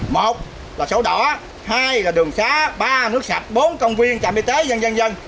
một là sổ đỏ hai là đường xá ba là nước sạch bốn là công viên trạm y tế dân dân dân